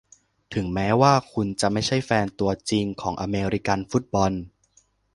ถึงแม้ว่าคุณจะไม่ใช่แฟนตัวจริงของอเมริกันฟุตบอล